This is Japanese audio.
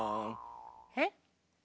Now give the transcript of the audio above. えっ？